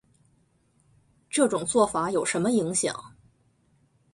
这种做法有什么影响